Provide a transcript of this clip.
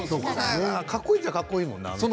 かっこいいと言えばかっこいいもんね。